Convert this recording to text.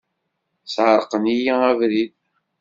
Sεerqen-iyi abrid.